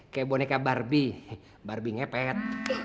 kayak boneka barbie barbie ngepet